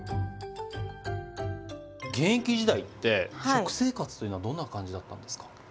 現役時代って食生活というのはどんな感じだったんですか？